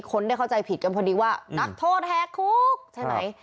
คนได้เข้าใจผิดกันพอดีว่านักโทษแหกคุกใช่ไหม